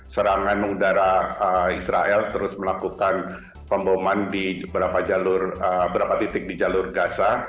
serangan udara israel terus melakukan pemboman di beberapa titik di jalur gaza